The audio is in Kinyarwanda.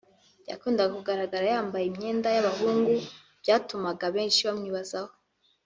yakundaga kugaragara yambaye imyenda y’abahungu byatumaga benshi bamwibazaho